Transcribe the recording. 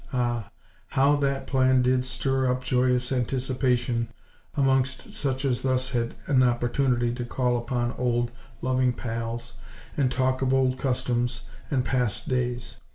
Ah; how that plan did stir up joyous anticipation amongst such as thus had an opportunity to call upon old, loving pals, and talk of old customs and past days!